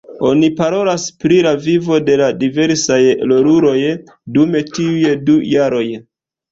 Oni parolas pri la vivo de la diversaj roluloj dum tiuj du jaroj.